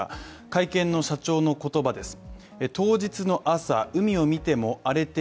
会見の社長の言葉です。